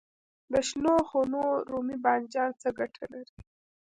د شنو خونو رومي بانجان څه ګټه لري؟